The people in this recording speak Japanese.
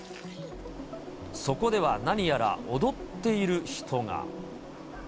そこでは何やら踊っている人が。